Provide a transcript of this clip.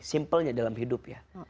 simpelnya dalam hidup ya